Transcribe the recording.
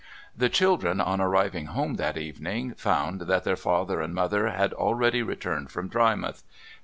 The children, on arriving home that evening, found that their father and mother had already returned from Drymouth.